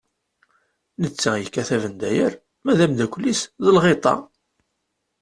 Netta yekkat abendayer, ma d ameddakel-is d lɣiṭa.